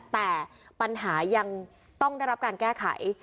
แต่ปัญหายังต้องได้รับการแก้ไข